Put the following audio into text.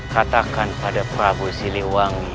katakan pada prabu siluang